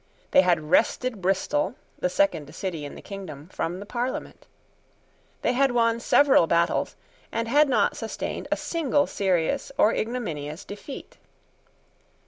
They had wrested Bristol, the second city in the kingdom, from the Parliament. They had won several battles, and had not sustained a single serious or ignominious defeat.